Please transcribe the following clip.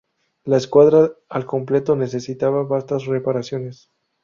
La escuadra al completo necesitaba vastas reparaciones.